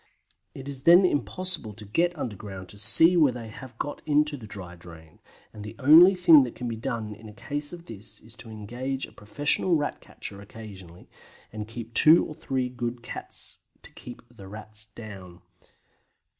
It is then impossible to get underground to see where they have got into the dry drain, and the only thing that can be done in a case of this sort is to engage a professional Rat catcher occasionally, and keep two or three good cats to keep the Rats down.